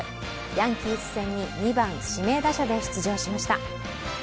ヤンキース戦に２番・指名打者で出場しました。